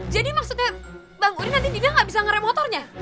jadi maksudnya bang udin nanti dina gak bisa ngerem motornya